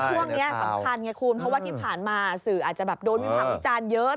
ช่วงนี้อันทางนี้คุ้มเพราะว่าที่ผ่านมาสื่ออาจโดนภาคบุจันเยอะ